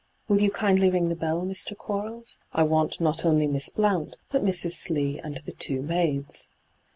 ' Will you kindly ring the bell, Mr. Quarles? I want not only Miss Blouot, but Mrs. Slee and the two maids.'